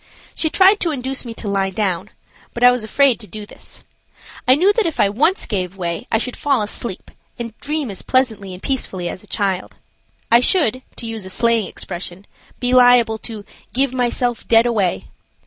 She tried to induce me to lie down, but I was afraid to do this. I knew that if I once gave way I should fall asleep and dream as pleasantly and peacefully as a child. I should, to use a slang expression, be liable to "give myself dead away."